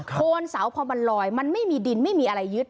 โคนเสาพอมันลอยมันไม่มีดินไม่มีอะไรยึด